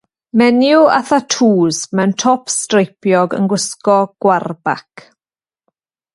Menyw â thatŵs mewn top streipiog yn gwisgo gwarbac